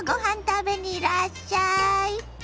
食べにいらっしゃい。